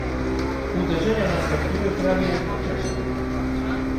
"Uderzenia nastąpiły prawie jednocześnie."